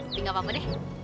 tinggal aku deh